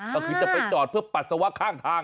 ก็คือจะไปจอดเพื่อปัสสาวะข้างทาง